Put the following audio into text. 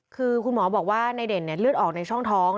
คือคุณหมอบอกว่านายเด่นเลือดออกในช่องท้อง